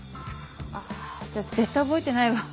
あじゃあ絶対覚えてないわ。